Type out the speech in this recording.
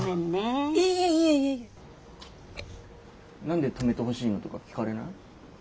何で泊めてほしいのとか聞かれない？